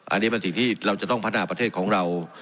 อันนี้เป็นสิ่งที่เราจะต้องพัฒนาประเทศของเรา